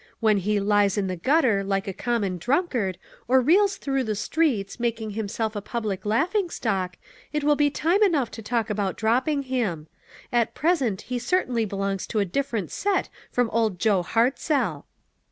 When he lies in the gutter, like a common drunkard, or reels through the streets, making himself a public laughing stock, it will be time enough to talk about dropping him. At present, he certainly belongs to a different set from Old Joe Hartzell."